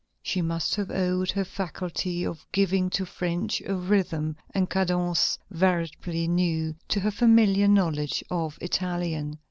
She must have owed her faculty of giving to French a rhythm and cadence veritably new, to her familiar knowledge of Italian.